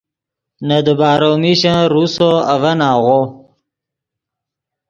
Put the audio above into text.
نے دیبارو میشن روسو اڤن آغو